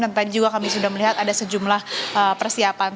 dan tadi juga kami sudah melihat ada sejumlah persiapan